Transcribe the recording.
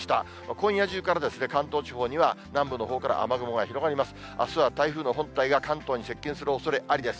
今夜中から、関東地方には南部のほうから雨雲が広がります。